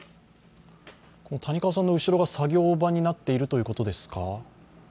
谷川さんの後ろが作業場になっているということですか？